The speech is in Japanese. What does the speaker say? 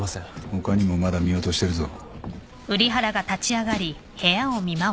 他にもまだ見落としてるぞ。